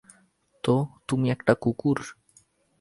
তো, তুমি একটা কুকুর।